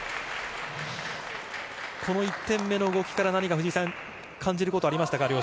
この１点目の動きから何か感じる事はありますか？